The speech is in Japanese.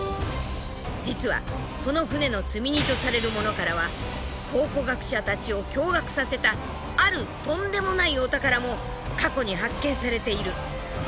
実はこの船の積み荷とされるものからは考古学者たちを驚愕させたあるとんでもないお宝も過去に発見されている。